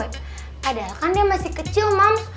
padahal kan dia masih kecil mama